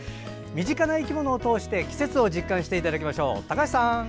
身近な生き物を通して季節を実感していただきましょう。